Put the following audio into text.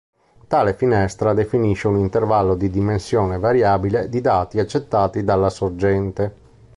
Tale finestra definisce un intervallo di dimensione variabile di dati accettati dalla sorgente.